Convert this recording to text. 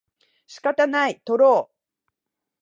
仕方ない、とろう